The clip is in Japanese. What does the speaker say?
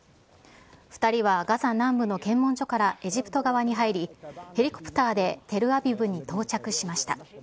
２人はガザ南部の検問所からエジプト側に入り、ヘリコプターでテルアビブに到着しました。